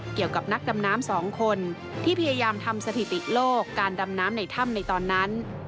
เกี่ยวกับนักดำน้ำสองคนที่พยายามทำสถิติโลกการดำน้ำในถ้ำในตอนนั้น